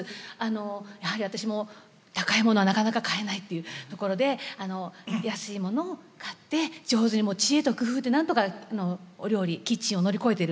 やはり私も高いものはなかなか買えないというところで安いものを買って上手にもう知恵と工夫で何とかお料理キッチンを乗り越えているところですね。